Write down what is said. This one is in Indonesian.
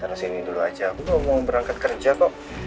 taruh sini dulu aja aku mau berangkat kerja kok